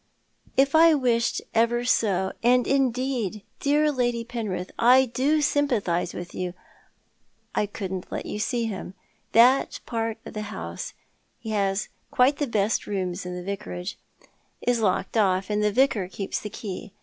" If I wished ever so— and indeed, dear Lady Penrith, I do '^So we hit meet not part again" 231 sympatliise with you — I couldn't let you see him. That part of the house — he has quite the best rooms in the Vicarage — is locked off, and the Vicar keeps the key.